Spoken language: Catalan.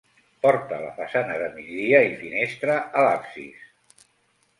Porta a la façana de migdia i finestra a l'absis.